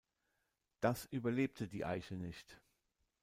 Das überlebte die Eiche nicht.